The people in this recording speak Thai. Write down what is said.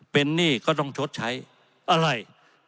เป็นหนี้ก็ต้องชดใช้อะไร